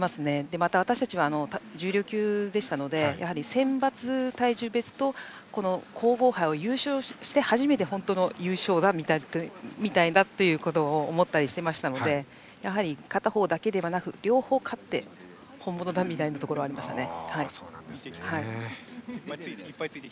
また私たちは重量級でしたのでやはり選抜体重別と皇后杯を優勝して、初めて本当の優勝だみたいなことを思っていましたのでやはり片方だけではなく両方勝って本物だみたいなところはありましたね。